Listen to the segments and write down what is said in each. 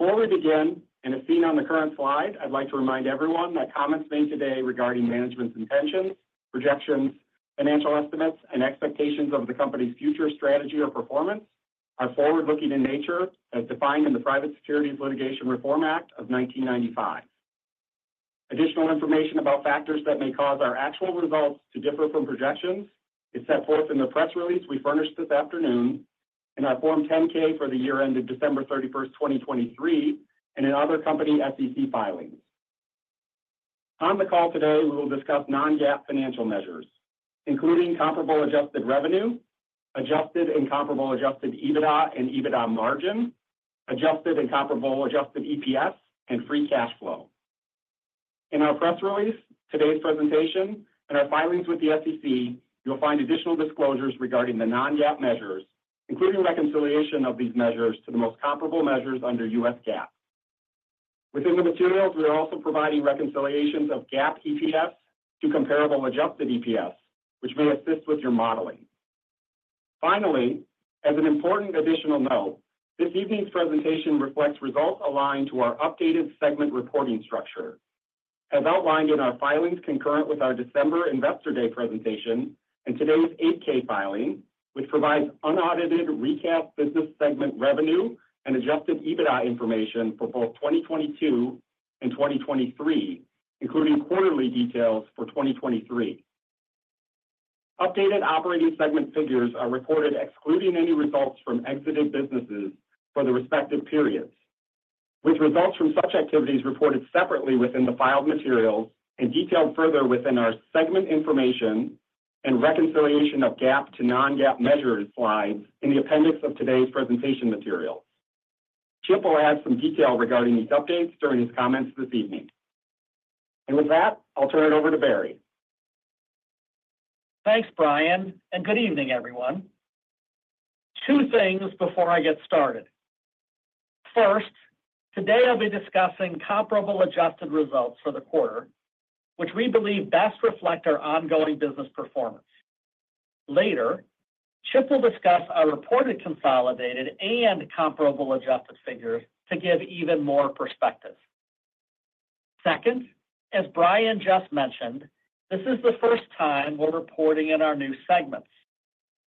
Before we begin, and as seen on the current slide, I'd like to remind everyone that comments made today regarding management's intentions, projections, financial estimates, and expectations of the company's future strategy or performance are forward-looking in nature, as defined in the Private Securities Litigation Reform Act of 1995. Additional information about factors that may cause our actual results to differ from projections is set forth in the press release we furnished this afternoon, in our Form 10-K for the year ended December 31, 2023, and in other company SEC filings. On the call today, we will discuss non-GAAP financial measures, including comparable adjusted revenue, adjusted and comparable adjusted EBITDA and EBITDA margin, adjusted and comparable adjusted EPS, and free cash flow. In our press release, today's presentation, and our filings with the SEC, you'll find additional disclosures regarding the non-GAAP measures, including reconciliation of these measures to the most comparable measures under US GAAP. Within the materials, we are also providing reconciliations of GAAP EPS to comparable adjusted EPS, which may assist with your modeling. Finally, as an important additional note, this evening's presentation reflects results aligned to our updated segment reporting structure. As outlined in our filings concurrent with our December Investor Day presentation and today's 8-K filing, which provides unaudited recast business segment revenue and adjusted EBITDA information for both 2022 and 2023, including quarterly details for 2023. Updated operating segment figures are reported excluding any results from exited businesses for the respective periods, with results from such activities reported separately within the filed materials and detailed further within our segment information and reconciliation of GAAP to non-GAAP measures slide in the appendix of today's presentation material. Chip will add some detail regarding these updates during his comments this evening. With that, I'll turn it over to Barry. Thanks, Brian, and good evening, everyone. Two things before I get started. First, today I'll be discussing comparable adjusted results for the quarter, which we believe best reflect our ongoing business performance. Later, Chip will discuss our reported consolidated and comparable adjusted figures to give even more perspective. Second, as Brian just mentioned, this is the first time we're reporting in our new segments.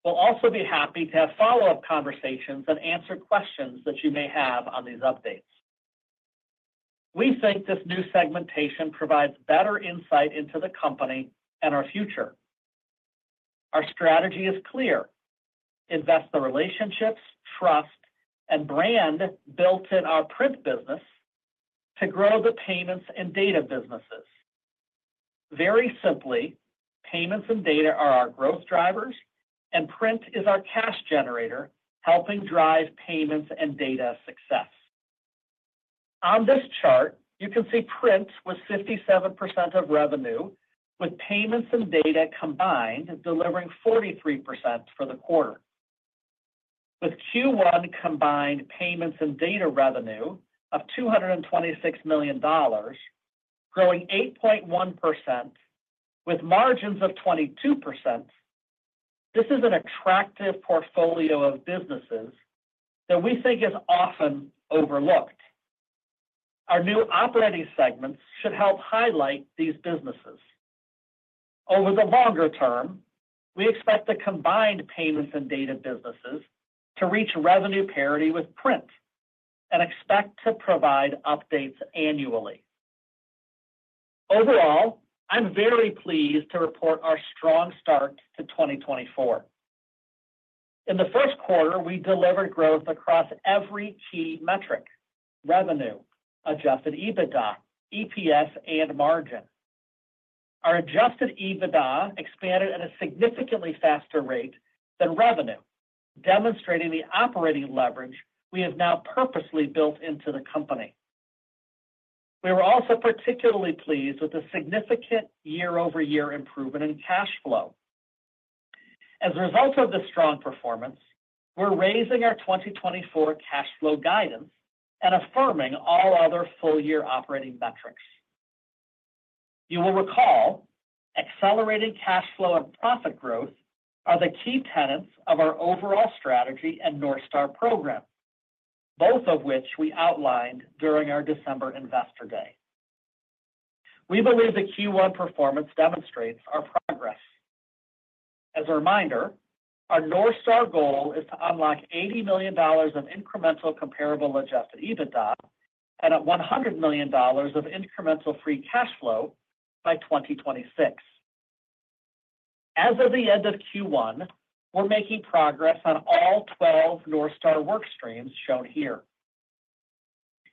We'll also be happy to have follow-up conversations and answer questions that you may have on these updates. We think this new segmentation provides better insight into the company and our future. Our strategy is clear: invest the relationships, trust, and brand built in our print business to grow the payments and data businesses. Very simply, payments and data are our growth drivers, and print is our cash generator, helping drive payments and data success. On this chart, you can see print was 57% of revenue, with payments and data combined delivering 43% for the quarter. With Q1 combined payments and data revenue of $226 million, growing 8.1% with margins of 22%, this is an attractive portfolio of businesses that we think is often overlooked. Our new operating segments should help highlight these businesses. Over the longer term, we expect the combined payments and data businesses to reach revenue parity with print and expect to provide updates annually. Overall, I'm very pleased to report our strong start to 2024. In the first quarter, we delivered growth across every key metric: revenue, Adjusted EBITDA, EPS, and margin. Our Adjusted EBITDA expanded at a significantly faster rate than revenue, demonstrating the operating leverage we have now purposely built into the company. We were also particularly pleased with the significant year-over-year improvement in cash flow. As a result of this strong performance, we're raising our 2024 cash flow guidance and affirming all other full-year operating metrics. You will recall, accelerated cash flow and profit growth are the key tenets of our overall strategy and North Star program, both of which we outlined during our December Investor Day. We believe the Q1 performance demonstrates our progress. As a reminder, our North Star goal is to unlock $80 million of incremental comparable adjusted EBITDA and at $100 million of incremental free cash flow by 2026. As of the end of Q1, we're making progress on all 12 North Star work streams shown here.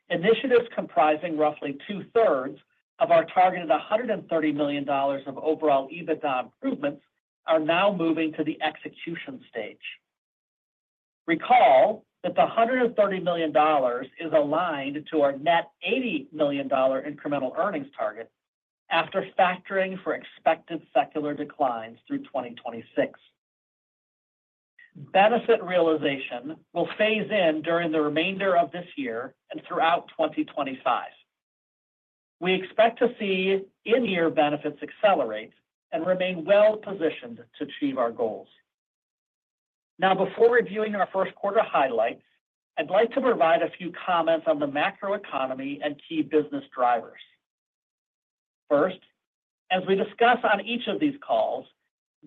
Initiatives comprising roughly two-thirds of our targeted $130 million of overall EBITDA improvements are now moving to the execution stage. Recall that the $130 million is aligned to our net $80 million incremental earnings target after factoring for expected secular declines through 2026. Benefit realization will phase in during the remainder of this year and throughout 2025. We expect to see in-year benefits accelerate and remain well positioned to achieve our goals. Now, before reviewing our first quarter highlights, I'd like to provide a few comments on the macroeconomy and key business drivers. First, as we discuss on each of these calls,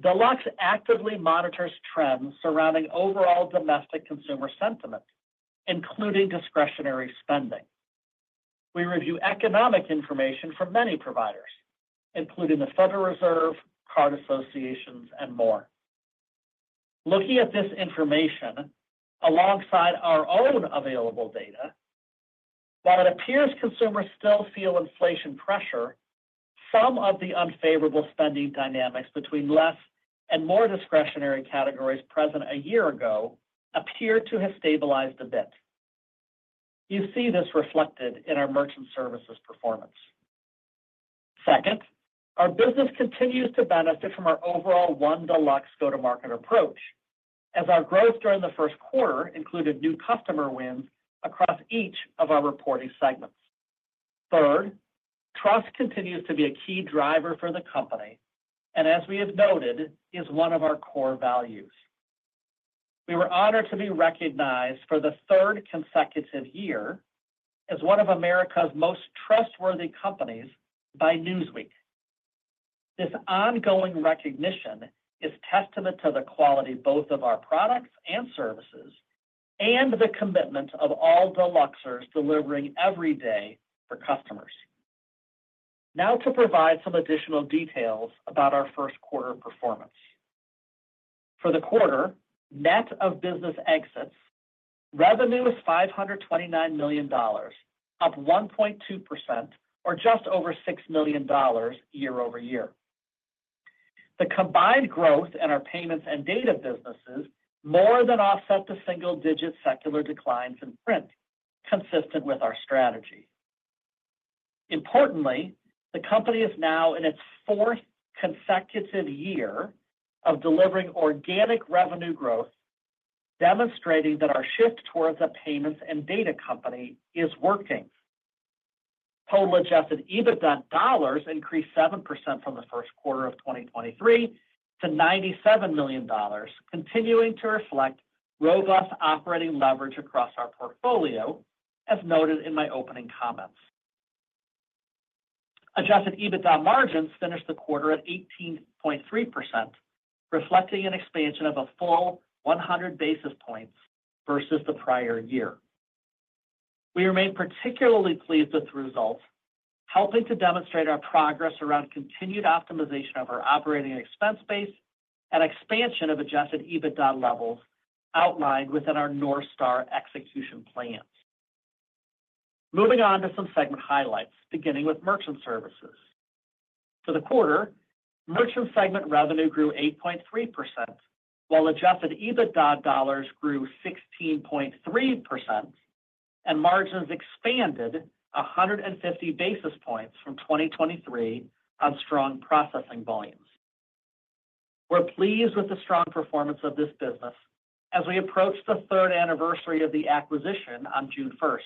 Deluxe actively monitors trends surrounding overall domestic consumer sentiment, including discretionary spending. We review economic information from many providers, including the Federal Reserve, card associations, and more. Looking at this information alongside our own available data, while it appears consumers still feel inflation pressure, some of the unfavorable spending dynamics between less and more discretionary categories present a year ago appear to have stabilized a bit. You see this reflected in our Merchant Services performance. Second, our business continues to benefit from our overall One Deluxe go-to-market approach, as our growth during the first quarter included new customer wins across each of our reporting segments. Third, trust continues to be a key driver for the company, and as we have noted, is one of our core values. We were honored to be recognized for the third consecutive year as one of America's most trustworthy companies by Newsweek. This ongoing recognition is testament to the quality, both of our products and services, and the commitment of all Deluxers delivering every day for customers. Now, to provide some additional details about our first quarter performance. For the quarter, net of business exits, revenue was $529 million, up 1.2% or just over $6 million year-over-year. The combined growth in our payments and data businesses more than offset the single-digit secular declines in print, consistent with our strategy. Importantly, the company is now in its fourth consecutive year of delivering organic revenue growth, demonstrating that our shift towards a payments and data company is working. Total Adjusted EBITDA dollars increased 7% from the first quarter of 2023 to $97 million, continuing to reflect robust operating leverage across our portfolio, as noted in my opening comments. Adjusted EBITDA margins finished the quarter at 18.3%, reflecting an expansion of a full 100 basis points versus the prior year. We remain particularly pleased with the results, helping to demonstrate our progress around continued optimization of our operating expense base and expansion of adjusted EBITDA levels outlined within our North Star execution plans. Moving on to some segment highlights, beginning with Merchant Services. For the quarter, Merchant Services segment revenue grew 8.3%, while Adjusted EBITDA dollars grew 16.3%, and margins expanded 150 basis points from 2023 on strong processing volumes. We're pleased with the strong performance of this business as we approach the third anniversary of the acquisition on June first.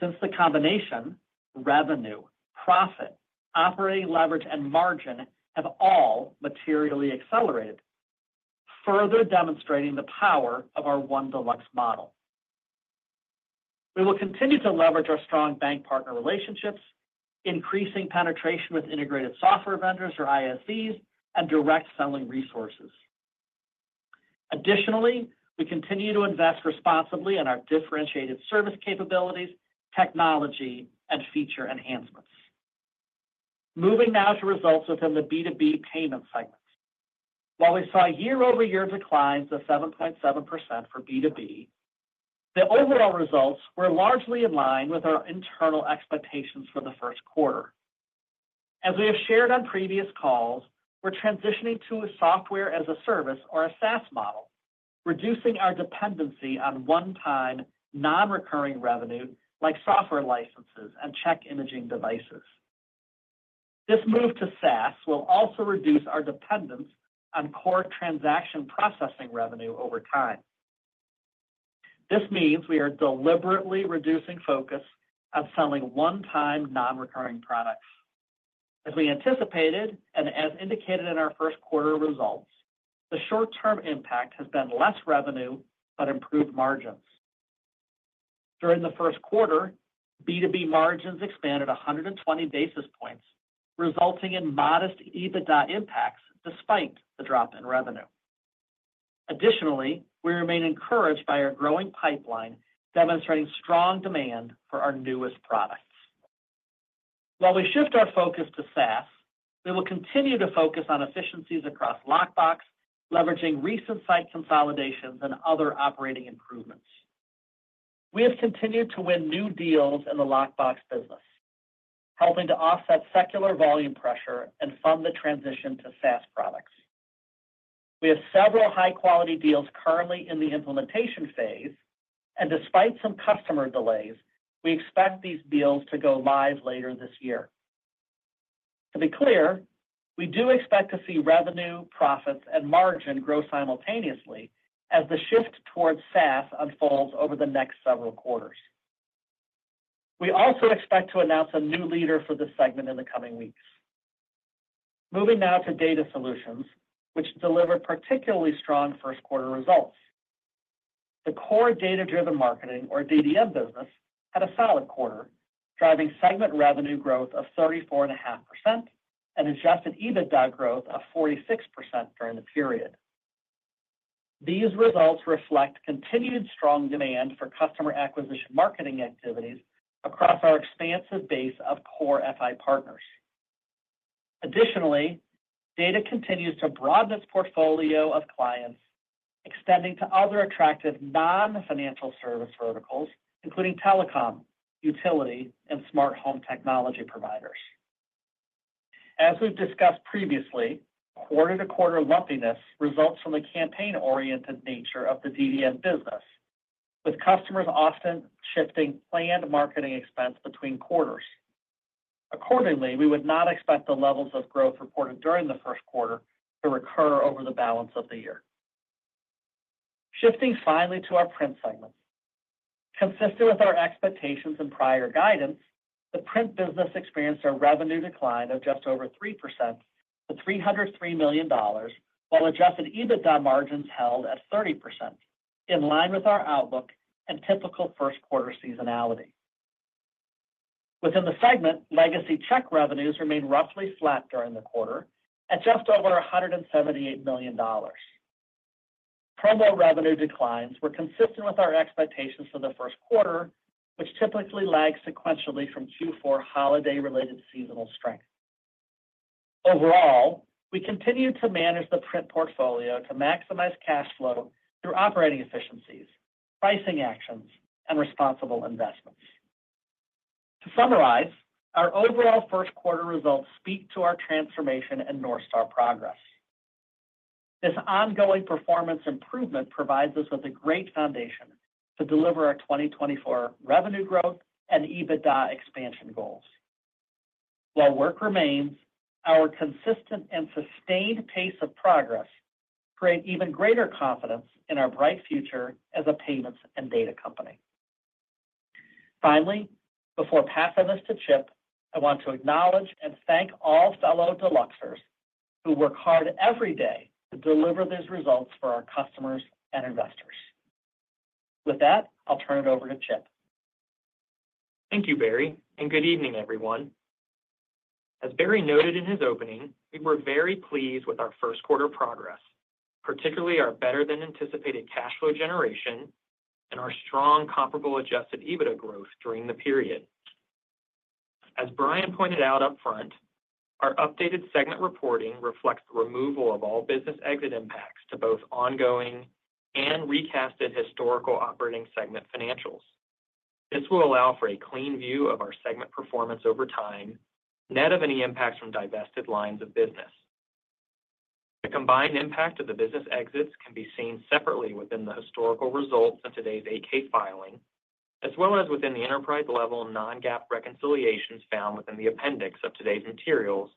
Since the combination, revenue, profit, operating leverage, and margin have all materially accelerated, further demonstrating the power of our One Deluxe model. We will continue to leverage our strong bank partner relationships, increasing penetration with Integrated Software Vendors or ISVs and direct selling resources. Additionally, we continue to invest responsibly in our differentiated service capabilities, technology, and feature enhancements. Moving now to results within the B2B payment segment. While we saw year-over-year declines of 7.7% for B2B, the overall results were largely in line with our internal expectations for the first quarter. As we have shared on previous calls, we're transitioning to a software-as-a-service or a SaaS model, reducing our dependency on one-time, non-recurring revenue like software licenses and check imaging devices. This move to SaaS will also reduce our dependence on core transaction processing revenue over time. This means we are deliberately reducing focus on selling one-time, non-recurring products. As we anticipated and as indicated in our first quarter results, the short-term impact has been less revenue but improved margins. During the first quarter, B2B margins expanded 120 basis points, resulting in modest EBITDA impacts despite the drop in revenue. Additionally, we remain encouraged by our growing pipeline, demonstrating strong demand for our newest products. While we shift our focus to SaaS, we will continue to focus on efficiencies across Lockbox, leveraging recent site consolidations and other operating improvements. We have continued to win new deals in the Lockbox business, helping to offset secular volume pressure and fund the transition to SaaS products. We have several high-quality deals currently in the implementation phase, and despite some customer delays, we expect these deals to go live later this year. To be clear, we do expect to see revenue, profits, and margin grow simultaneously as the shift towards SaaS unfolds over the next several quarters.... We also expect to announce a new leader for this segment in the coming weeks. Moving now to Data Solutions, which delivered particularly strong first quarter results. The core data-driven marketing, or DDM business, had a solid quarter, driving segment revenue growth of 34.5% and adjusted EBITDA growth of 46% during the period. These results reflect continued strong demand for customer acquisition marketing activities across our expansive base of core FI partners. Additionally, Data continues to broaden its portfolio of clients, extending to other attractive non-financial service verticals, including telecom, utility, and smart home technology providers. As we've discussed previously, quarter-to-quarter lumpiness results from the campaign-oriented nature of the DDM business, with customers often shifting planned marketing expense between quarters. Accordingly, we would not expect the levels of growth reported during the first quarter to recur over the balance of the year. Shifting finally to our Print segment. Consistent with our expectations and prior guidance, the Print business experienced a revenue decline of just over 3% to $303 million, while adjusted EBITDA margins held at 30%, in line with our outlook and typical first quarter seasonality. Within the segment, legacy check revenues remained roughly flat during the quarter at just over $178 million. Promo revenue declines were consistent with our expectations for the first quarter, which typically lags sequentially from Q4 holiday-related seasonal strength. Overall, we continue to manage the Print portfolio to maximize cash flow through operating efficiencies, pricing actions, and responsible investments. To summarize, our overall first quarter results speak to our transformation and North Star progress. This ongoing performance improvement provides us with a great foundation to deliver our 2024 revenue growth and EBITDA expansion goals. While work remains, our consistent and sustained pace of progress create even greater confidence in our bright future as a payments and data company. Finally, before passing this to Chip, I want to acknowledge and thank all fellow Deluxers who work hard every day to deliver these results for our customers and investors. With that, I'll turn it over to Chip. Thank you, Barry, and good evening, everyone. As Barry noted in his opening, we were very pleased with our first quarter progress, particularly our better-than-anticipated cash flow generation and our strong comparable Adjusted EBITDA growth during the period. As Brian pointed out up front, our updated segment reporting reflects the removal of all business exit impacts to both ongoing and recast historical operating segment financials. This will allow for a clean view of our segment performance over time, net of any impacts from divested lines of business. The combined impact of the business exits can be seen separately within the historical results in today's 8-K filing, as well as within the enterprise-level non-GAAP reconciliations found within the appendix of today's materials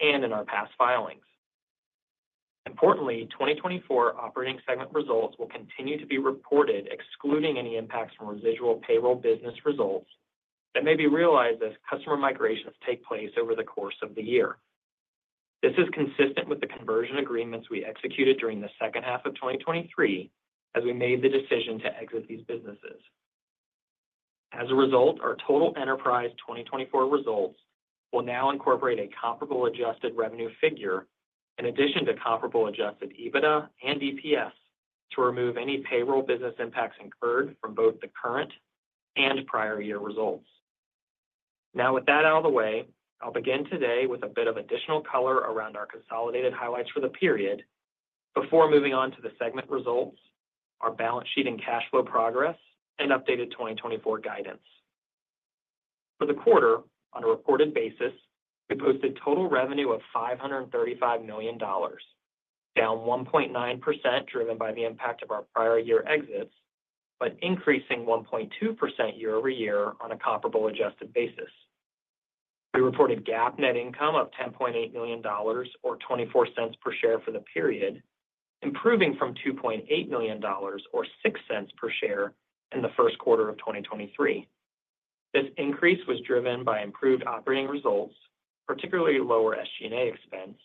and in our past filings. Importantly, 2024 operating segment results will continue to be reported, excluding any impacts from residual payroll business results that may be realized as customer migrations take place over the course of the year. This is consistent with the conversion agreements we executed during the second half of 2023 as we made the decision to exit these businesses. As a result, our total enterprise 2024 results will now incorporate a comparable adjusted revenue figure in addition to comparable adjusted EBITDA and EPS, to remove any payroll business impacts incurred from both the current and prior year results. Now, with that out of the way, I'll begin today with a bit of additional color around our consolidated highlights for the period before moving on to the segment results, our balance sheet and cash flow progress, and updated 2024 guidance. For the quarter, on a reported basis, we posted total revenue of $535 million, down 1.9%, driven by the impact of our prior year exits, but increasing 1.2% year-over-year on a comparable adjusted basis. We reported GAAP net income of $10.8 million, or $0.24 per share for the period, improving from $2.8 million, or $0.06 per share in the first quarter of 2023. This increase was driven by improved operating results, particularly lower SG&A expense,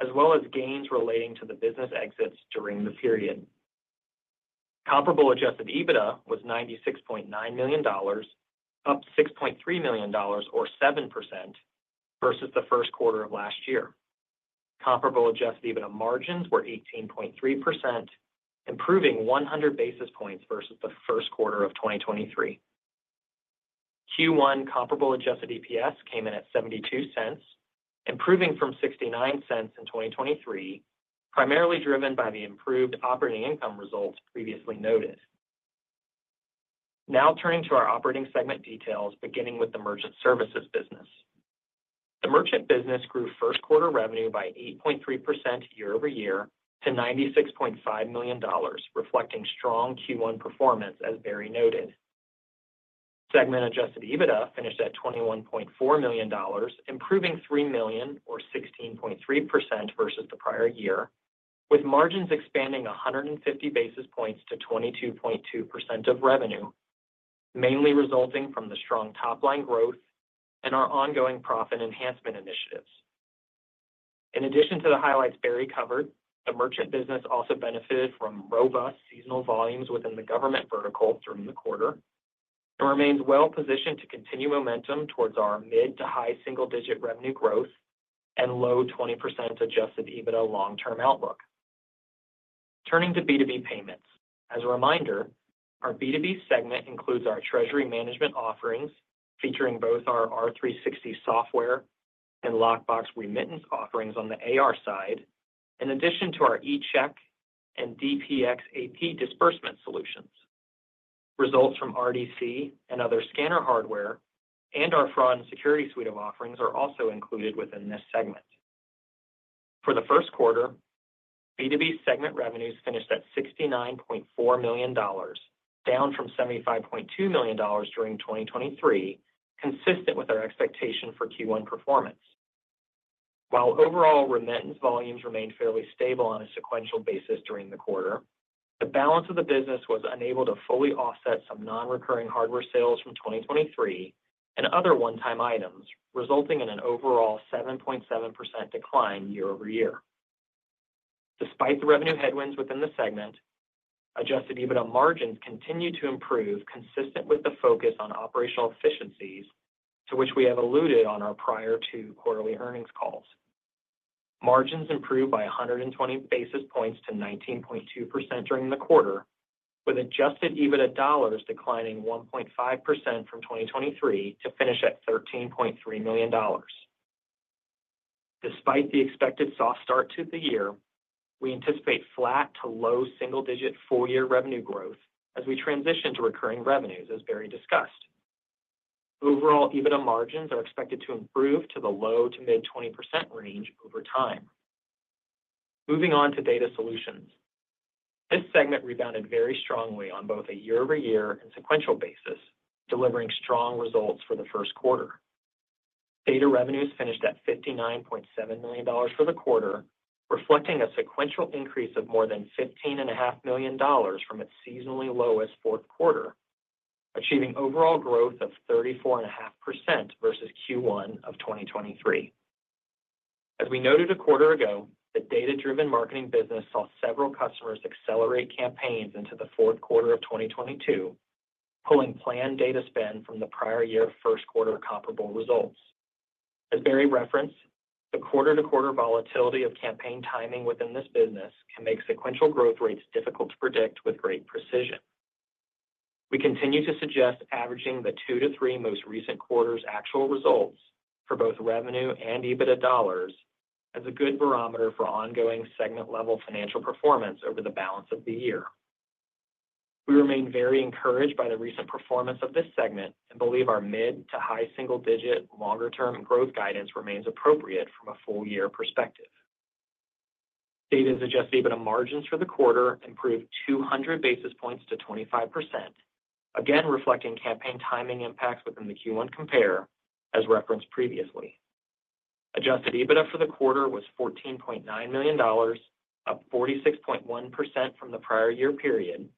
as well as gains relating to the business exits during the period. Comparable adjusted EBITDA was $96.9 million, up $6.3 million, or 7% versus the first quarter of last year. Comparable adjusted EBITDA margins were 18.3%, improving 100 basis points versus the first quarter of 2023. Q1 comparable adjusted EPS came in at $0.72, improving from $0.69 in 2023, primarily driven by the improved operating income results previously noted. Now turning to our operating segment details, beginning with the Merchant Services business. The Merchant business grew first quarter revenue by 8.3% year-over-year to $96.5 million, reflecting strong Q1 performance, as Barry noted. Segment adjusted EBITDA finished at $21.4 million, improving $3 million or 16.3% versus the prior year. With margins expanding 150 basis points to 22.2% of revenue, mainly resulting from the strong top-line growth and our ongoing profit enhancement initiatives. In addition to the highlights Barry covered, the merchant business also benefited from robust seasonal volumes within the government vertical during the quarter, and remains well positioned to continue momentum towards our mid- to high single-digit revenue growth and low 20% Adjusted EBITDA long-term outlook. Turning to B2B Payments. As a reminder, our B2B segment includes our treasury management offerings, featuring both our R360 software and lockbox remittance offerings on the AR side, in addition to our eCheck and DPX AP disbursement solutions. Results from RDC and other scanner hardware, and our fraud and security suite of offerings are also included within this segment. For the first quarter, B2B segment revenues finished at $69.4 million, down from $75.2 million during 2023, consistent with our expectation for Q1 performance. While overall remittance volumes remained fairly stable on a sequential basis during the quarter, the balance of the business was unable to fully offset some non-recurring hardware sales from 2023 and other one-time items, resulting in an overall 7.7% decline year-over-year. Despite the revenue headwinds within the segment, Adjusted EBITDA margins continued to improve, consistent with the focus on operational efficiencies to which we have alluded on our prior two quarterly earnings calls. Margins improved by 120 basis points to 19.2% during the quarter, with Adjusted EBITDA dollars declining 1.5% from 2023 to finish at $13.3 million. Despite the expected soft start to the year, we anticipate flat to low single-digit full-year revenue growth as we transition to recurring revenues, as Barry discussed. Overall, EBITDA margins are expected to improve to the low- to mid-20% range over time. Moving on to data solutions. This segment rebounded very strongly on both a year-over-year and sequential basis, delivering strong results for the first quarter. Data revenues finished at $59.7 million for the quarter, reflecting a sequential increase of more than $15.5 million from its seasonally lowest fourth quarter, achieving overall growth of 34.5% versus Q1 of 2023. As we noted a quarter ago, the data-driven marketing business saw several customers accelerate campaigns into the fourth quarter of 2022, pulling planned data spend from the prior year first quarter comparable results. As Barry referenced, the quarter-to-quarter volatility of campaign timing within this business can make sequential growth rates difficult to predict with great precision. We continue to suggest averaging the 2-3 most recent quarters' actual results for both revenue and EBITDA dollars as a good barometer for ongoing segment-level financial performance over the balance of the year. We remain very encouraged by the recent performance of this segment and believe our mid- to high-single-digit longer-term growth guidance remains appropriate from a full-year perspective. Data's adjusted EBITDA margins for the quarter improved 200 basis points to 25%, again, reflecting campaign timing impacts within the Q1 compare, as referenced previously. Adjusted EBITDA for the quarter was $14.9 million, up 46.1% from the prior year period.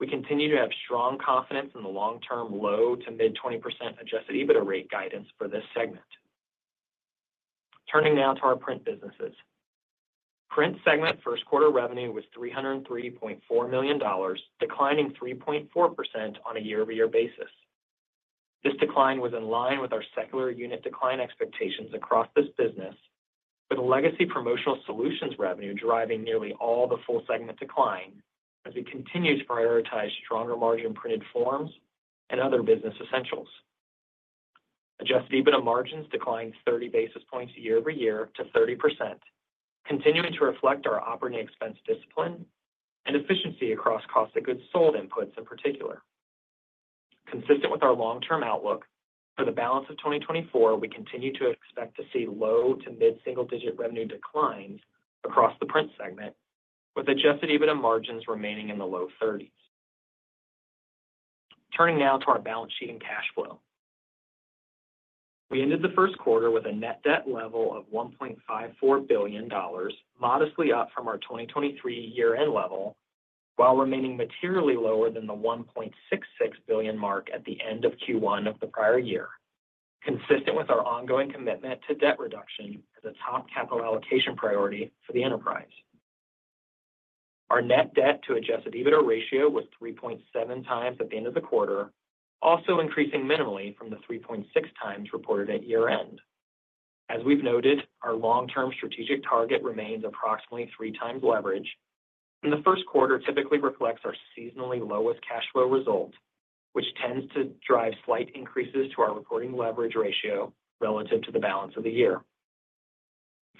We continue to have strong confidence in the long-term low- to mid-20% adjusted EBITDA rate guidance for this segment. Turning now to our print businesses. Print segment first quarter revenue was $303.4 million, declining 3.4% on a year-over-year basis. This decline was in line with our secular unit decline expectations across this business, with legacy promotional solutions revenue driving nearly all the full segment decline as we continue to prioritize stronger margin printed forms and other business essentials. Adjusted EBITDA margins declined 30 basis points year-over-year to 30%, continuing to reflect our operating expense discipline and efficiency across cost of goods sold inputs, in particular. Consistent with our long-term outlook, for the balance of 2024, we continue to expect to see low- to mid-single-digit revenue declines across the print segment, with adjusted EBITDA margins remaining in the low 30s. Turning now to our balance sheet and cash flow. We ended the first quarter with a net debt level of $1.54 billion, modestly up from our 2023 year-end level, while remaining materially lower than the $1.66 billion Marc at the end of Q1 of the prior year, consistent with our ongoing commitment to debt reduction as a top capital allocation priority for the enterprise. Our net debt to adjusted EBITDA ratio was 3.7 times at the end of the quarter, also increasing minimally from the 3.6 times reported at year-end. As we've noted, our long-term strategic target remains approximately 3 times leverage, and the first quarter typically reflects our seasonally lowest cash flow results, which tends to drive slight increases to our reporting leverage ratio relative to the balance of the year.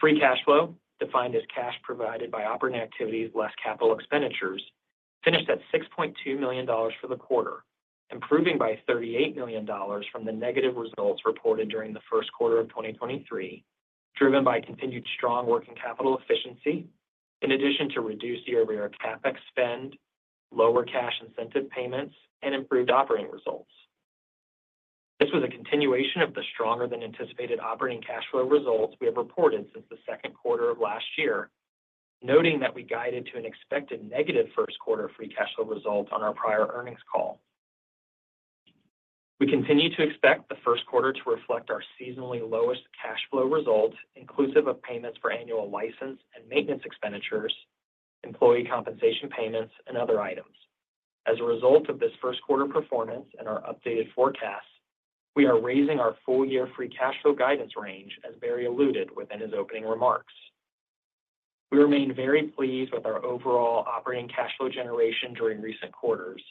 Free cash flow, defined as cash provided by operating activities less capital expenditures, finished at $6.2 million for the quarter, improving by $38 million from the negative results reported during the first quarter of 2023, driven by continued strong working capital efficiency, in addition to reduced year-over-year CapEx spend, lower cash incentive payments, and improved operating results. This was a continuation of the stronger than anticipated operating cash flow results we have reported since the second quarter of last year, noting that we guided to an expected negative first quarter free cash flow result on our prior earnings call. We continue to expect the first quarter to reflect our seasonally lowest cash flow results, inclusive of payments for annual license and maintenance expenditures, employee compensation payments, and other items. As a result of this first quarter performance and our updated forecast, we are raising our full-year free cash flow guidance range, as Barry alluded within his opening remarks. We remain very pleased with our overall operating cash flow generation during recent quarters,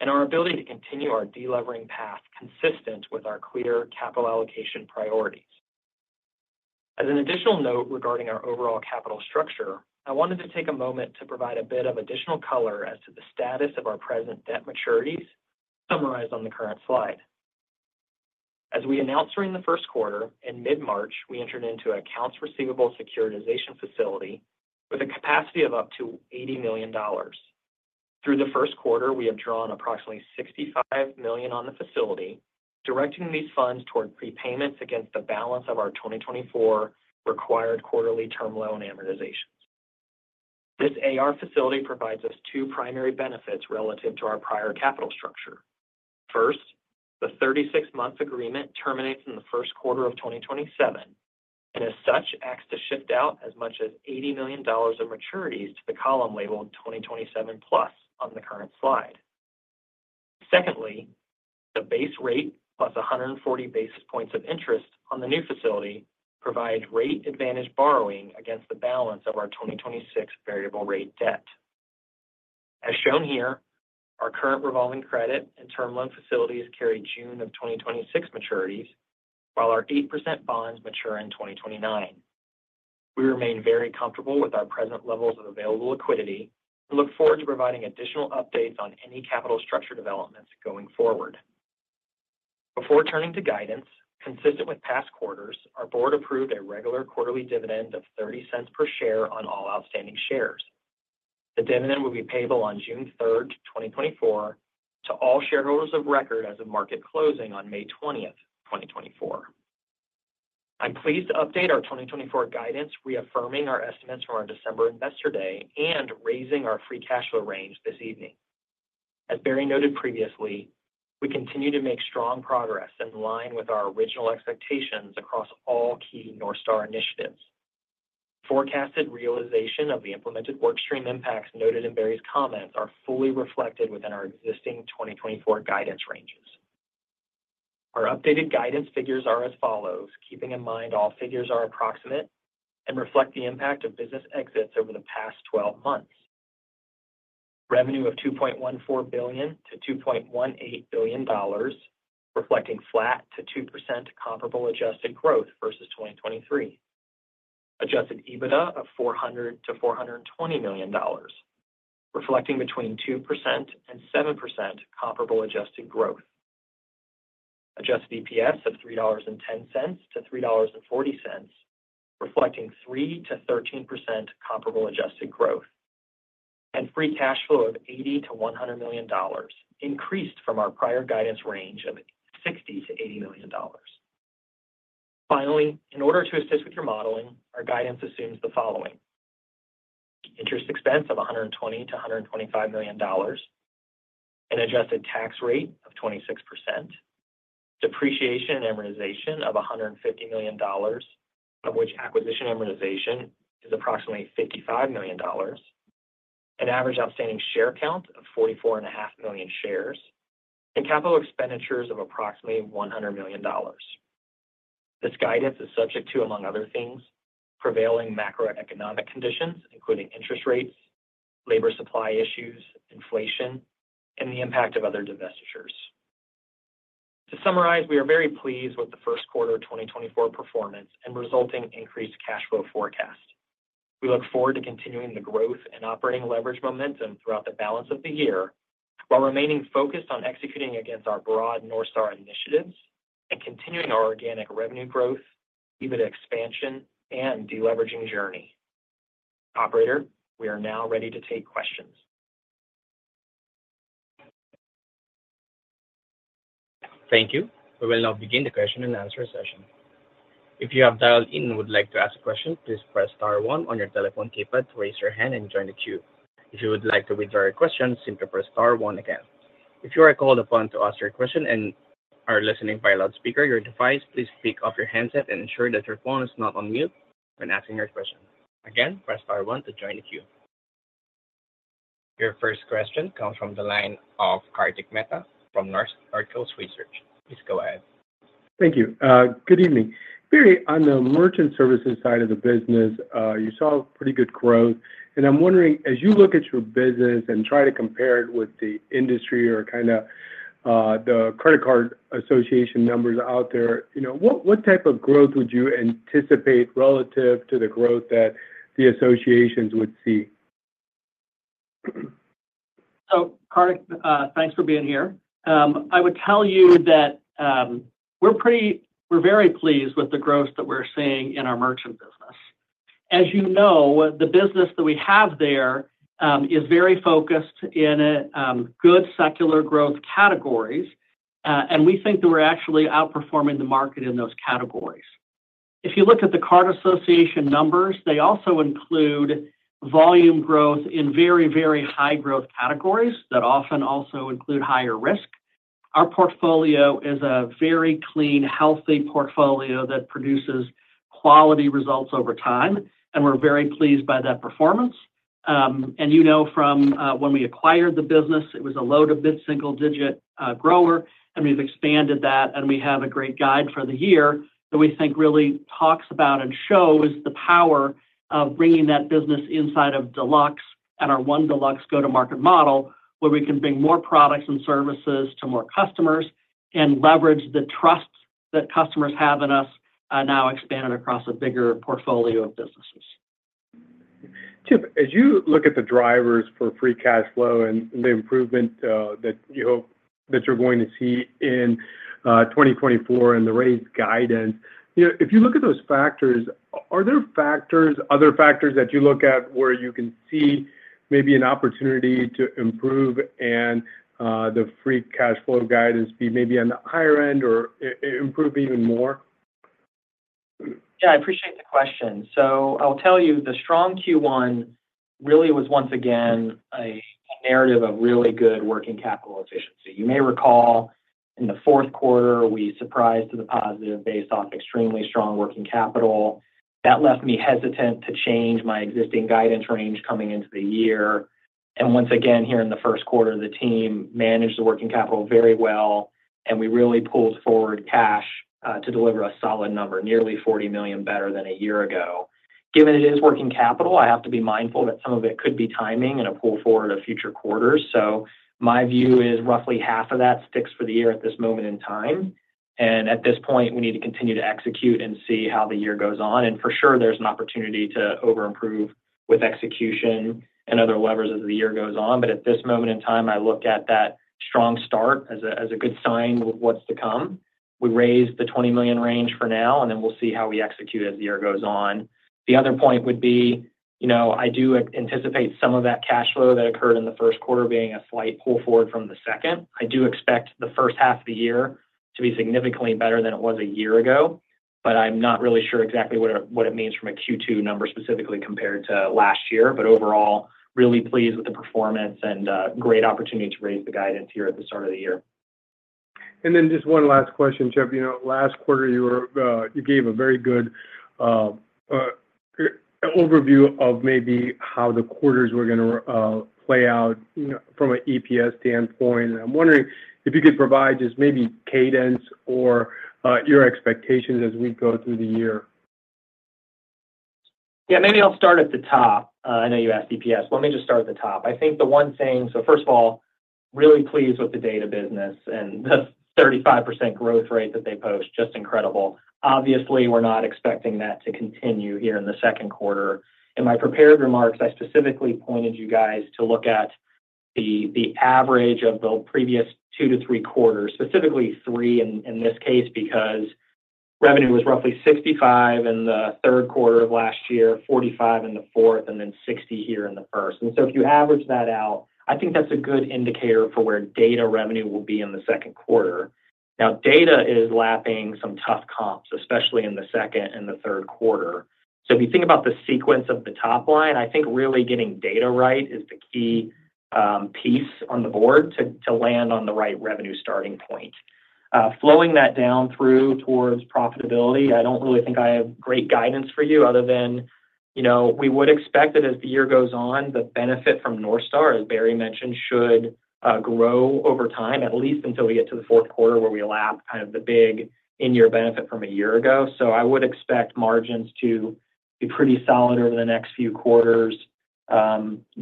and our ability to continue our delevering path consistent with our clear capital allocation priorities. As an additional note regarding our overall capital structure, I wanted to take a moment to provide a bit of additional color as to the status of our present debt maturities, summarized on the current slide. As we announced during the first quarter, in mid-March, we entered into accounts receivable securitization facility with a capacity of up to $80 million. Through the first quarter, we have drawn approximately $65 million on the facility, directing these funds toward prepayments against the balance of our 2024 required quarterly term loan amortizations. This AR facility provides us two primary benefits relative to our prior capital structure. First, the 36-month agreement terminates in the first quarter of 2027, and as such, acts to shift out as much as $80 million of maturities to the column labeled 2027+ on the current slide. Secondly, the base rate plus 140 basis points of interest on the new facility provides rate advantage borrowing against the balance of our 2026 variable rate debt. As shown here, our current revolving credit and term loan facilities carry June of 2026 maturities, while our 8% bonds mature in 2029. We remain very comfortable with our present levels of available liquidity, and look forward to providing additional updates on any capital structure developments going forward. Before turning to guidance, consistent with past quarters, our board approved a regular quarterly dividend of $0.30 per share on all outstanding shares. The dividend will be payable on June third, 2024, to all shareholders of record as of market closing on May twentieth, 2024. I'm pleased to update our 2024 guidance, reaffirming our estimates from our December investor day, and raising our free cash flow range this evening. As Barry noted previously, we continue to make strong progress in line with our original expectations across all key North Star initiatives. Forecasted realization of the implemented workstream impacts noted in Barry's comments are fully reflected within our existing 2024 guidance ranges. Our updated guidance figures are as follows, keeping in mind all figures are approximate and reflect the impact of business exits over the past 12 months. Revenue of $2.14 billion-$2.18 billion, reflecting flat to 2% comparable adjusted growth versus 2023. Adjusted EBITDA of $400 million-$420 million, reflecting between 2% and 7% comparable adjusted growth. Adjusted EPS of $3.10-$3.40, reflecting 3%-13% comparable adjusted growth. Free cash flow of $80 million-$100 million, increased from our prior guidance range of $60 million-$80 million. Finally, in order to assist with your modeling, our guidance assumes the following: interest expense of $120 million-$125 million, an adjusted tax rate of 26%, depreciation and amortization of $150 million, of which acquisition amortization is approximately $55 million, an average outstanding share count of 44.5 million shares, and capital expenditures of approximately $100 million. This guidance is subject to, among other things, prevailing macroeconomic conditions, including interest rates, labor supply issues, inflation, and the impact of other divestitures. To summarize, we are very pleased with the first quarter of 2024 performance and resulting increased cash flow forecast. We look forward to continuing the growth and operating leverage momentum throughout the balance of the year, while remaining focused on executing against our broad North Star initiatives and continuing our organic revenue growth, EBITDA expansion, and deleveraging journey. Operator, we are now ready to take questions. Thank you. We will now begin the question and answer session. If you have dialed in and would like to ask a question, please press star one on your telephone keypad to raise your hand and join the queue. If you would like to withdraw your question, simply press star one again. If you are called upon to ask your question and are listening by loudspeaker your device, please speak off your handset and ensure that your phone is not on mute when asking your question. Again, press star one to join the queue. Your first question comes from the line of Kartik Mehta from Northcoast Research. Please go ahead. Thank you. Good evening. Barry, on the merchant services side of the business, you saw pretty good growth, and I'm wondering, as you look at your business and try to compare it with the industry or kinda the credit card association numbers out there, you know, what type of growth would you anticipate relative to the growth that the associations would see? So, Kartik, thanks for being here. I would tell you that, we're very pleased with the growth that we're seeing in our merchant business. As you know, the business that we have there is very focused in a good secular growth categories, and we think that we're actually outperforming the market in those categories. If you look at the card association numbers, they also include volume growth in very, very high growth categories that often also include higher risk. Our portfolio is a very clean, healthy portfolio that produces quality results over time, and we're very pleased by that performance. and you know from when we acquired the business, it was a low-to-mid single-digit grower, and we've expanded that, and we have a great guide for the year that we think really talks about and shows the power of bringing that business inside of Deluxe and our One Deluxe go-to-market model, where we can bring more products and services to more customers and leverage the trust that customers have in us, now expanded across a bigger portfolio of businesses. Chip, as you look at the drivers for free cash flow and the improvement that you hope that you're going to see in 2024 and the raised guidance, you know, if you look at those factors, are there other factors that you look at where you can see maybe an opportunity to improve and the free cash flow guidance be maybe on the higher end or improve even more? Yeah, I appreciate the question. So I'll tell you, the strong Q1 really was once again a narrative of really good working capital efficiency. You may recall, in the fourth quarter, we surprised to the positive based off extremely strong working capital. That left me hesitant to change my existing guidance range coming into the year. And once again, here in the first quarter, the team managed the working capital very well, and we really pulled forward cash to deliver a solid number, nearly $40 million better than a year ago. Given it is working capital, I have to be mindful that some of it could be timing and a pull forward of future quarters. So my view is roughly half of that sticks for the year at this moment in time, and at this point, we need to continue to execute and see how the year goes on. For sure, there's an opportunity to over-improve with execution and other levers as the year goes on. But at this moment in time, I look at that strong start as a good sign of what's to come. We raised the $20 million range for now, and then we'll see how we execute as the year goes on. The other point would be, you know, I do anticipate some of that cash flow that occurred in the first quarter being a slight pull forward from the second. I do expect the first half of the year to be significantly better than it was a year ago, but I'm not really sure exactly what it means from a Q2 number, specifically compared to last year. But overall, really pleased with the performance and great opportunity to raise the guidance here at the start of the year. Just one last question, Chip. You know, last quarter, you were, you gave a very good overview of maybe how the quarters were gonna play out, you know, from an EPS standpoint. I'm wondering if you could provide just maybe cadence or your expectations as we go through the year. Yeah, maybe I'll start at the top. I know you asked EPS. Let me just start at the top. I think the one thing. So first of all, really pleased with the data business and the 35% growth rate that they posted, just incredible. Obviously, we're not expecting that to continue here in the second quarter. In my prepared remarks, I specifically pointed you guys to look at the average of the previous 2-3 quarters, specifically 3 in this case, because revenue was roughly $65 in the third quarter of last year, $45 in the fourth, and then $60 here in the first. And so if you average that out, I think that's a good indicator for where data revenue will be in the second quarter. Now, data is lapping some tough comps, especially in the second and the third quarter. So if you think about the sequence of the top line, I think really getting data right is the key piece on the board to land on the right revenue starting point. Flowing that down through towards profitability, I don't really think I have great guidance for you other than, you know, we would expect that as the year goes on, the benefit from North Star, as Barry mentioned, should grow over time, at least until we get to the fourth quarter, where we lap kind of the big in-year benefit from a year ago. So I would expect margins to be pretty solid over the next few quarters,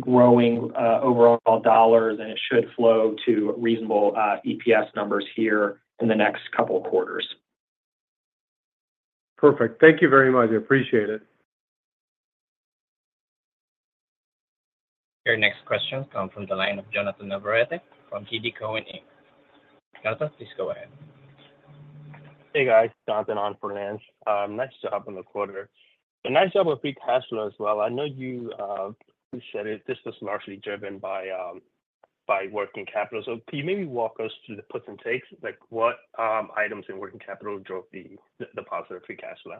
growing overall dollars, and it should flow to reasonable EPS numbers here in the next couple of quarters. Perfect. Thank you very much. I appreciate it. Your next question comes from the line of Jonathan Navarrete from TD Cowen Inc. Jonathan, please go ahead. Hey, guys. Jonathan. Nice job on the quarter, and nice job with free cash flow as well. I know you said it, this was largely driven by working capital. So can you maybe walk us through the puts and takes? Like, what items in working capital drove the positive free cash flow?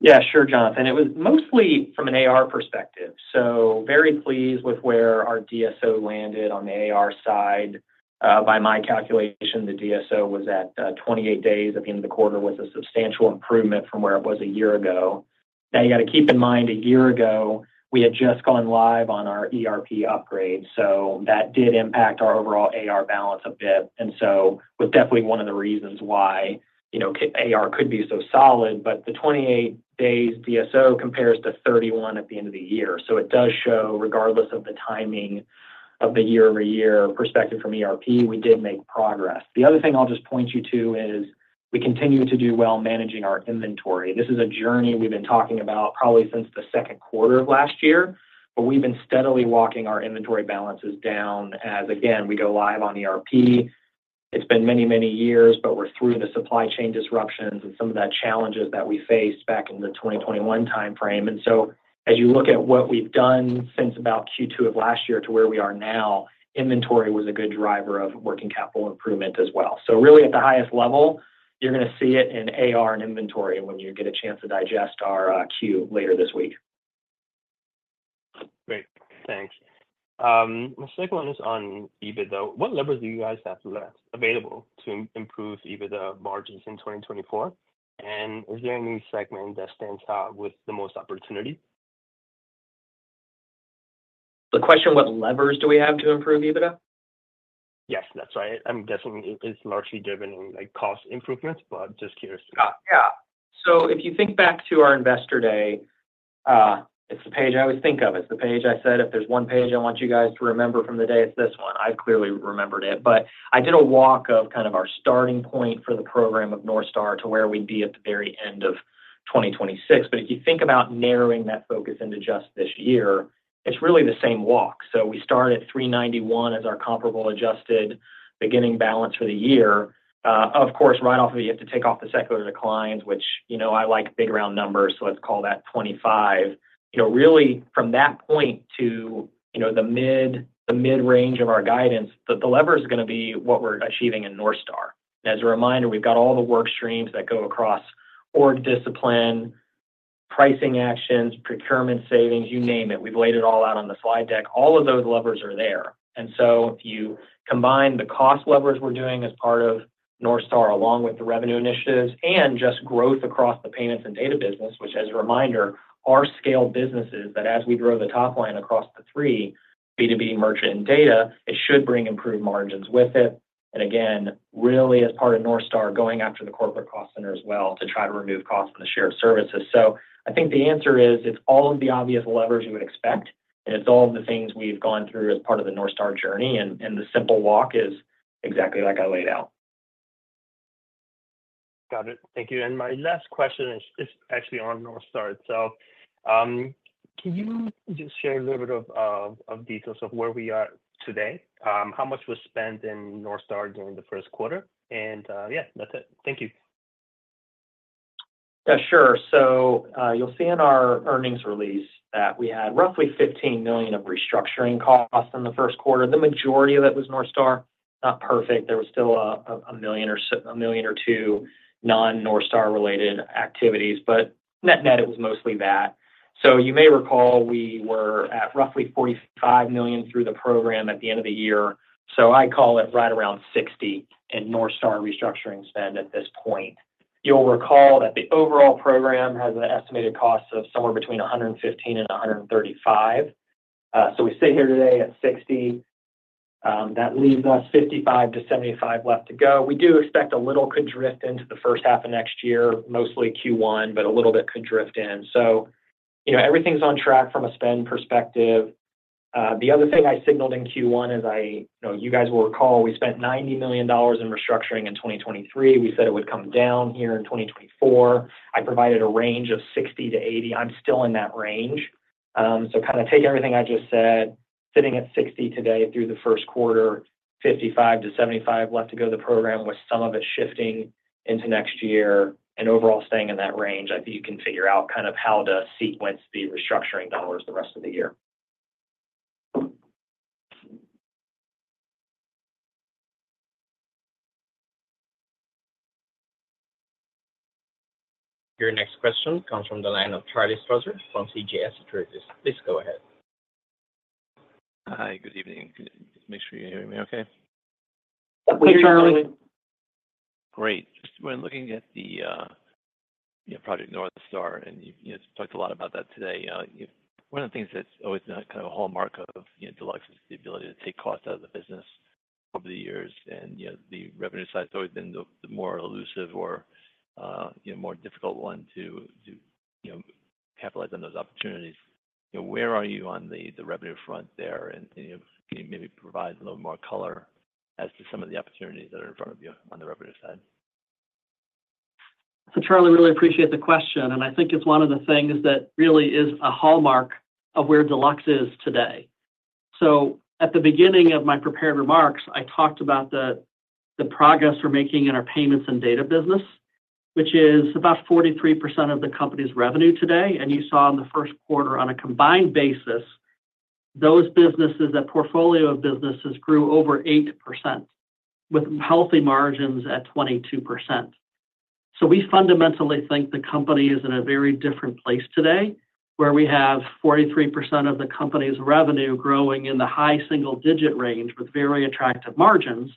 Yeah, sure, Jonathan. It was mostly from an AR perspective, so very pleased with where our DSO landed on the AR side. By my calculation, the DSO was at 28 days at the end of the quarter, was a substantial improvement from where it was a year ago. Now, you got to keep in mind, a year ago, we had just gone live on our ERP upgrade, so that did impact our overall AR balance a bit, and so was definitely one of the reasons why, you know, AR could be so solid. But the 28 days DSO compares to 31 at the end of the year. So it does show, regardless of the timing of the year-over-year perspective from ERP, we did make progress. The other thing I'll just point you to is we continue to do well managing our inventory. This is a journey we've been talking about probably since the second quarter of last year, but we've been steadily walking our inventory balances down as, again, we go live on ERP. It's been many, many years, but we're through the supply chain disruptions and some of that challenges that we faced back in the 2021 timeframe. And so as you look at what we've done since about Q2 of last year to where we are now, inventory was a good driver of working capital improvement as well. So really, at the highest level, you're going to see it in AR and inventory when you get a chance to digest our Q later this week. Great, thanks. My second one is on EBITDA. What levers do you guys have left available to improve EBITDA margins in 2024? And is there any segment that stands out with the most opportunity? The question, what levers do we have to improve EBITDA? Yes, that's right. I'm guessing it's largely driven by cost improvements, but just curious. Yeah. So if you think back to our Investor Day, it's the page I always think of. It's the page I said, "If there's one page I want you guys to remember from the day, it's this one." I've clearly remembered it. But I did a walk of kind of our starting point for the program of North Star, to where we'd be at the very end of 2026. But if you think about narrowing that focus into just this year, it's really the same walk. So we start at $391 as our comparable adjusted beginning balance for the year. Of course, right off, you have to take off the secular declines, which, you know, I like big round numbers, so let's call that $25. You know, really from that point to, you know, the mid-range of our guidance, the lever is going to be what we're achieving in North Star. As a reminder, we've got all the work streams that go across org discipline, pricing actions, procurement savings, you name it. We've laid it all out on the slide deck. All of those levers are there. And so if you combine the cost levers we're doing as part of North Star, along with the revenue initiatives and just growth across the payments and data business, which, as a reminder, are scale businesses that as we grow the top line across the three B2B merchant and data, it should bring improved margins with it. And again, really as part of North Star, going after the corporate cost center as well to try to remove costs from the shared services. So I think the answer is, it's all of the obvious levers you would expect, and it's all of the things we've gone through as part of the North Star journey, and, and the simple walk is exactly like I laid out. Got it. Thank you. And my last question is actually on North Star. So, can you just share a little bit of details of where we are today? How much was spent in North Star during the first quarter? And, yeah, that's it. Thank you. Yeah, sure. So, you'll see in our earnings release that we had roughly $15 million of restructuring costs in the first quarter. The majority of it was North Star. Not perfect, there was still a million or two non-North Star-related activities, but net-net, it was mostly that. So you may recall we were at roughly $45 million through the program at the end of the year. So I call it right around $60 million in North Star restructuring spend at this point. You'll recall that the overall program has an estimated cost of somewhere between $115 million and $135 million. So we sit here today at $60 million. That leaves us $55 million-$75 million left to go. We do expect a little could drift into the first half of next year, mostly Q1, but a little bit could drift in. So, you know, everything's on track from a spend perspective. The other thing I signaled in Q1 is I... You know, you guys will recall, we spent $90 million in restructuring in 2023. We said it would come down here in 2024. I provided a range of $60 million-$80 million. I'm still in that range. So kind of take everything I just said, sitting at $60 million today through the first quarter, $55 million-$75 million left to go to the program, with some of it shifting into next year and overall staying in that range. I think you can figure out kind of how the sequence be restructuring dollars the rest of the year. Your next question comes from the line of Charlie Strauzer from CJS Securities. Please go ahead. Hi, good evening. Make sure you hear me okay? Hey, Charlie. Great. Just when looking at the Project North Star, and you talked a lot about that today. One of the things that's always been a kind of a hallmark of, you know, Deluxe is the ability to take cost out of the business over the years. And, you know, the revenue side has always been the more elusive or, you know, more difficult one to, you know, capitalize on those opportunities. You know, where are you on the revenue front there, and, you know, can you maybe provide a little more color as to some of the opportunities that are in front of you on the revenue side? So Charlie, really appreciate the question, and I think it's one of the things that really is a hallmark of where Deluxe is today. So at the beginning of my prepared remarks, I talked about the progress we're making in our payments and data business, which is about 43% of the company's revenue today. You saw in the first quarter, on a combined basis, those businesses, that portfolio of businesses, grew over 8%, with healthy margins at 22%. So we fundamentally think the company is in a very different place today, where we have 43% of the company's revenue growing in the high single-digit range with very attractive margins.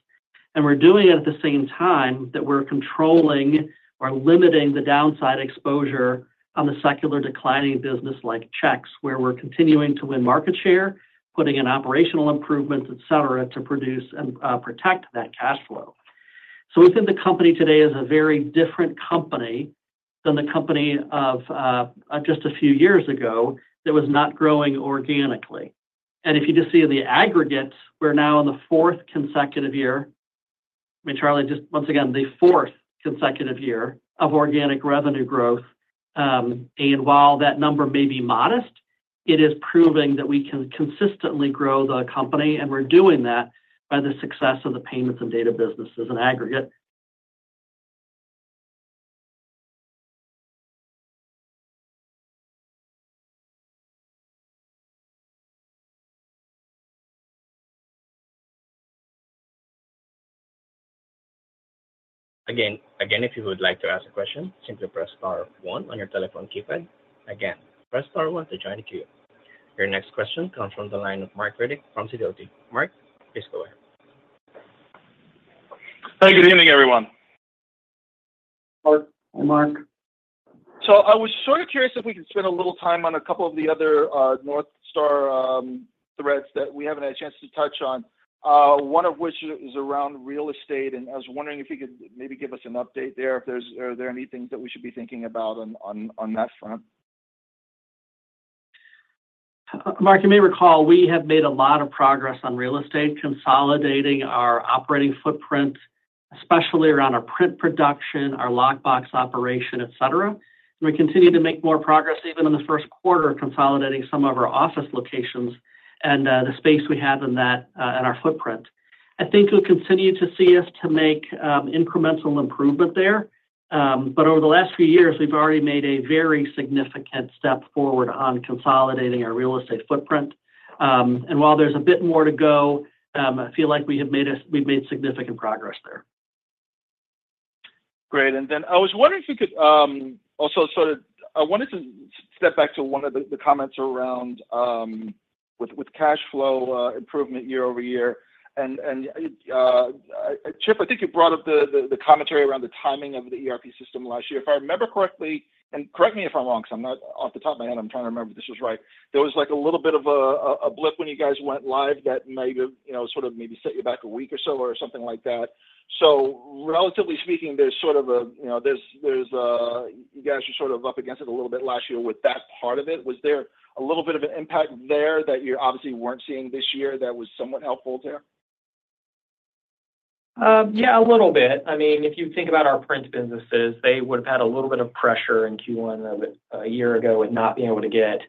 And we're doing it at the same time that we're controlling or limiting the downside exposure on the secular declining business like checks, where we're continuing to win market share, putting in operational improvements, et cetera, to produce and protect that cash flow. So within the company today is a very different company than the company of just a few years ago, that was not growing organically. And if you just see the aggregate, we're now in the fourth consecutive year. I mean, Charlie, just once again, the fourth consecutive year of organic revenue growth. And while that number may be modest-... It is proving that we can consistently grow the company, and we're doing that by the success of the payments and data business as an aggregate. Again, again, if you would like to ask a question, simply press star one on your telephone keypad. Again, press star one to join the queue. Your next question comes from the line of Marc Riddick from Sidoti. Mark, please go ahead. Hi, good evening, everyone. Hi, Mark. I was sort of curious if we could spend a little time on a couple of the other North Star threads that we haven't had a chance to touch on. One of which is around real estate, and I was wondering if you could maybe give us an update there, if there are any things that we should be thinking about on that front? Mark, you may recall we have made a lot of progress on real estate, consolidating our operating footprint, especially around our print production, our lockbox operation, et cetera. We continue to make more progress even in the first quarter, consolidating some of our office locations and the space we have in that and our footprint. I think you'll continue to see us to make incremental improvement there. But over the last few years, we've already made a very significant step forward on consolidating our real estate footprint. And while there's a bit more to go, I feel like we have made—we've made significant progress there. Great. And then I was wondering if you could also sort of I wanted to step back to one of the comments around with cash flow improvement year-over-year. And, Chip, I think you brought up the commentary around the timing of the ERP system last year. If I remember correctly, and correct me if I'm wrong, 'cause I'm not... Off the top of my head, I'm trying to remember if this is right. There was, like, a little bit of a blip when you guys went live that maybe, you know, sort of maybe set you back a week or so or something like that. So relatively speaking, there's sort of a, you know, there's you guys are sort of up against it a little bit last year with that part of it. Was there a little bit of an impact there that you obviously weren't seeing this year that was somewhat helpful there? Yeah, a little bit. I mean, if you think about our print businesses, they would have had a little bit of pressure in Q1 of it a year ago, with not being able to get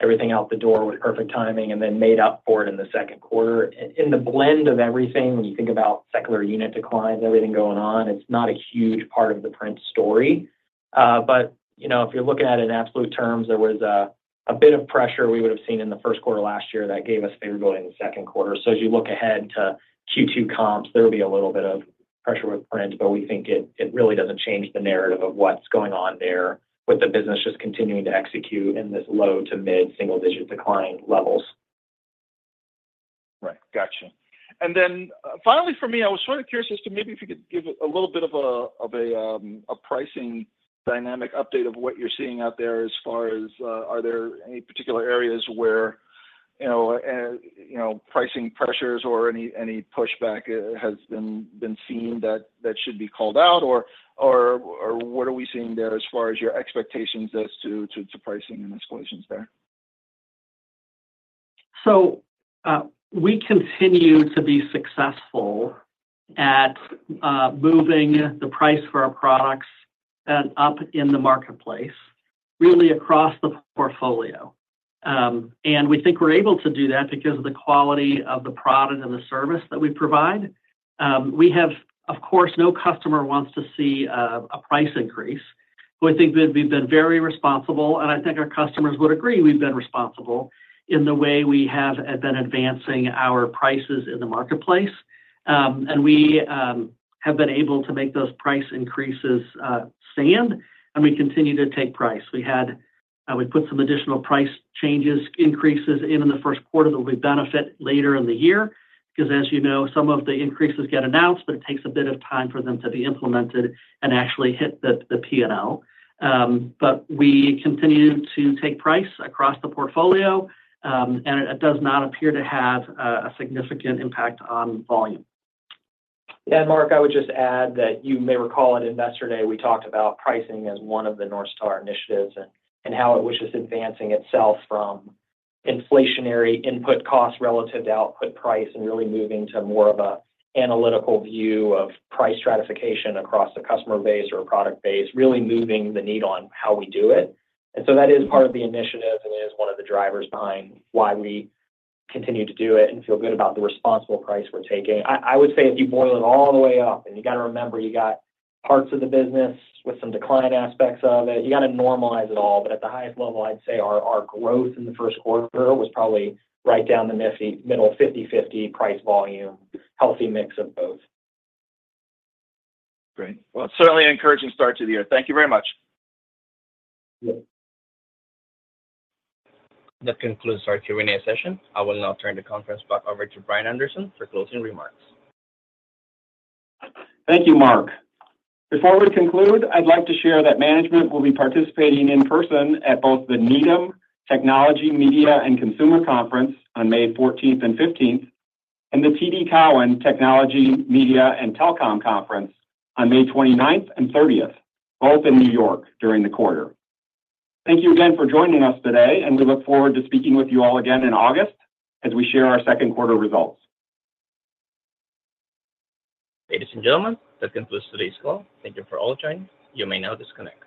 everything out the door with perfect timing and then made up for it in the second quarter. In the blend of everything, when you think about secular unit declines, everything going on, it's not a huge part of the print story. But, you know, if you're looking at it in absolute terms, there was a bit of pressure we would have seen in the first quarter last year that gave us favorability in the second quarter. As you look ahead to Q2 comps, there will be a little bit of pressure with print, but we think it, it really doesn't change the narrative of what's going on there, with the business just continuing to execute in this low to mid-single digit decline levels. Right. Gotcha. And then finally, for me, I was sort of curious as to maybe if you could give a little bit of a pricing dynamic update of what you're seeing out there as far as are there any particular areas where, you know, you know, pricing pressures or any pushback has been seen that should be called out? Or what are we seeing there as far as your expectations as to pricing and escalations there? So, we continue to be successful at moving the price for our products up in the marketplace, really across the portfolio. And we think we're able to do that because of the quality of the product and the service that we provide. We have... Of course, no customer wants to see a price increase, but I think we've, we've been very responsible, and I think our customers would agree we've been responsible in the way we have been advancing our prices in the marketplace. And we have been able to make those price increases stand, and we continue to take price. We put some additional price changes, increases in the first quarter that we benefit later in the year, because as you know, some of the increases get announced, but it takes a bit of time for them to be implemented and actually hit the P&L. But we continue to take price across the portfolio, and it does not appear to have a significant impact on volume. And Mark, I would just add that you may recall at Investor Day, we talked about pricing as one of the North Star initiatives and how it was just advancing itself from inflationary input costs relative to output price and really moving to more of an analytical view of price stratification across the customer base or product base, really moving the needle on how we do it. And so that is part of the initiative and is one of the drivers behind why we continue to do it and feel good about the responsible price we're taking. I would say if you boil it all the way up, and you got to remember, you got parts of the business with some decline aspects of it. You gotta normalize it all, but at the highest level, I'd say our growth in the first quarter was probably right down the middle 50/50 price volume, healthy mix of both. Great. Well, certainly an encouraging start to the year. Thank you very much. Yeah. That concludes our Q&A session. I will now turn the conference back over to Brian Anderson for closing remarks. Thank you, Mark. Before we conclude, I'd like to share that management will be participating in person at both the Needham Technology, Media, and Consumer Conference on May 14th and 15th, and the TD Cowen Technology, Media, and Telecom Conference on May 29th and 30th, both in New York during the quarter. Thank you again for joining us today, and we look forward to speaking with you all again in August as we share our second quarter results. Ladies and gentlemen, that concludes today's call. Thank you for all joining. You may now disconnect.